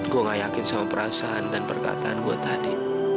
gue gak yakin sama perasaan dan perkataan gue tadi